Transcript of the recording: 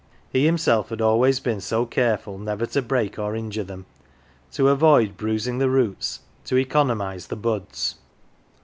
He himself had always been so careful never to break or injure them, to avoid 134: "THE GILLY F'ERS" bruising the roots, to economise the buds.